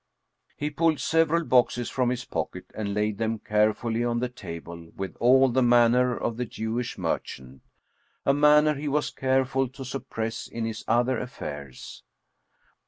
He pulled several boxes from his pocket and laid them carefully on the table with all the manner of the Jewish merchant, a manner he was careful to suppress in his other affairs.